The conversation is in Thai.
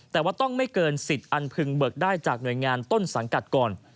แต่ว่าต้องไม่เกินสิทธิ์อันพึงเบิกได้จากหน่วยงานต้นสังกัดก่อน